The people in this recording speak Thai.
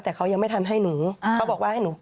แต่เขายังไม่ทำให้หนูเขาบอกว่าให้หนู